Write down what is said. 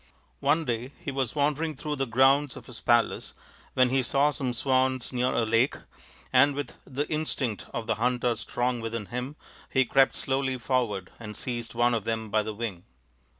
One day he was wandering through the grounds of his palace when he saw some swans near a lake, and with the instinct of the hunter strong within him he crept softly forward and seized one of them by the wing.